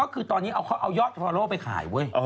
ก็คือตอนนี้เอายอดฟอร์โลไปขาย